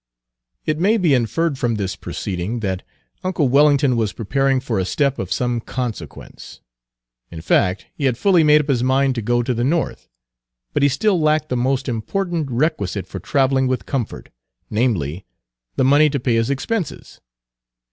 Page 221 It may be inferred from this proceeding that uncle Wellington was preparing for a step of some consequence. In fact, he had fully made up his mind to go to the North; but he still lacked the most important requisite for traveling with comfort, namely, the money to pay his expenses.